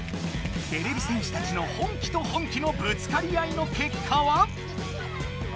てれび戦士たちの本気と本気のぶつかり合いのけっかは？